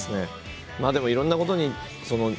でもいろんなことに。